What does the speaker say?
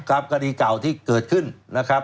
ครับคดีเก่าที่เกิดขึ้น